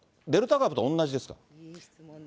デルタ株と同じですか？